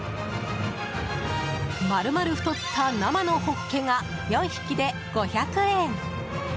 丸々太った生のホッケが４匹で５００円。